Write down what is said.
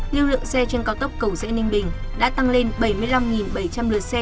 lưu lượng xe trên cao tốc cầu rẽ ninh bình đã tăng lên bảy mươi năm bảy trăm linh lượt xe